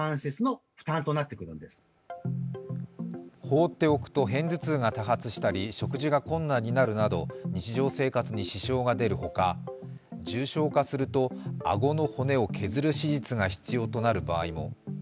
放っておくと偏頭痛が多発したり食事が困難になるなど日常生活に支障が出るほか、重症化すると、顎の骨を削る手術が必要となる場合も。